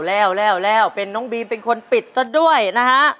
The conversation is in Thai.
แล้วเป็นน้องบีมเป็นคนปิดซะด้วยนะฮะ